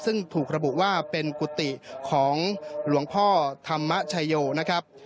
ซึ่งถูกระบุว่าเป็นกุฏิของหลวงพ่อธรรมชายโยนะครับ